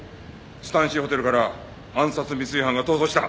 スタンシーホテルから暗殺未遂犯が逃走した。